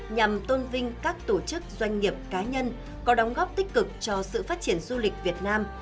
nhằm tôn vinh các tổ chức doanh nghiệp cá nhân có đóng góp tích cực cho sự phát triển du lịch việt nam